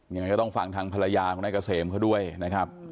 ยังไงก็ต้องฟังทางภรรยาของนายเกษมเขาด้วยนะครับ